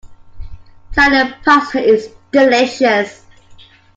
Italian Pasta is delicious.